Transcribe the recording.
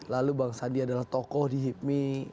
lalu bang sandi adalah tokoh di hipmi